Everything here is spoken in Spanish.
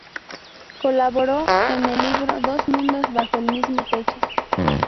Colaboró en el libro" Dos mundos bajo el mismo techo.